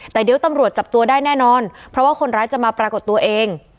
แต่เดี๋ยวตำรวจจับตัวได้แน่นอนเพราะว่าคนร้ายจะมาปรากฏตัวเอง